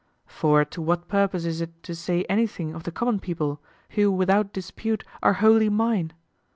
For to what purpose is it to say anything of the common people, who without dispute are wholly mine?